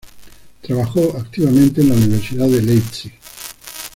Trabajó activamente en la Universidad de Leipzig.